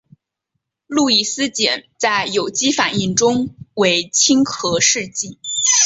路易斯碱在有机反应中为亲核试剂。